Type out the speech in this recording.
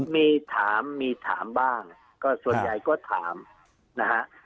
มีถามมีถามบ้างก็ส่วนใหญ่ก็ถามนะฮะ